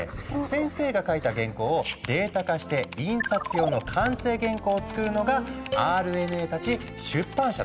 先生が描いた原稿をデータ化して印刷用の完成原稿をつくるのがＲＮＡたち出版社の社員なんだ。